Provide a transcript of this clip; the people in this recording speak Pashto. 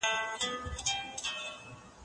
وپښوته مي رقیب څنګه پښېمان راغلی دی